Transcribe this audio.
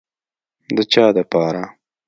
د چا دپاره.